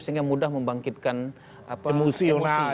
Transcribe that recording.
sehingga mudah membangkitkan emosi